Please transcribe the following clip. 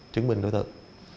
chứng minh đối tượng